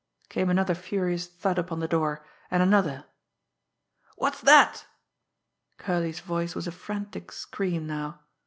Came another furious thud upon the door and another. "What's that!" Curley's voice was a frantic scream now.